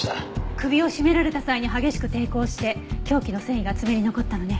首を絞められた際に激しく抵抗して凶器の繊維が爪に残ったのね。